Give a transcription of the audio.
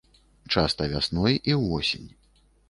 Часта вясной і ўвосень.